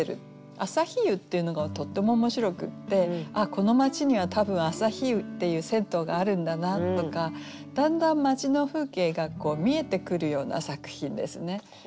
「あさひ湯」っていうのがとっても面白くってああこの町には多分「あさひ湯」っていう銭湯があるんだなとかだんだん町の風景が見えてくるような作品ですね。